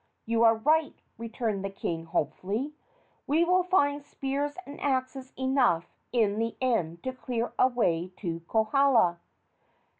"You are right," returned the king, hopefully; "we will find spears and axes enough in the end to clear a way to Kohala."